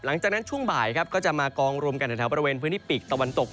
หลังจากนั้นช่วงบ่ายครับก็จะมากองรวมกันแถวบริเวณพื้นที่ปีกตะวันตก